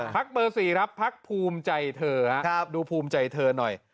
เบอร์๔ครับพักภูมิใจเธอครับดูภูมิใจเธอหน่อย